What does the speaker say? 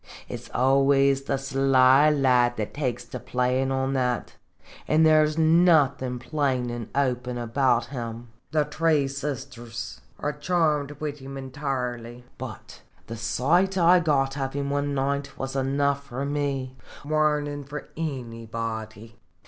It 's always the sly lad that takes to playin' on that, an* there 's nothin' plain an' open about him. The three sisters are charmed wid him in toirly. But the sight I got of him one night was enough for me warnin' for anybody.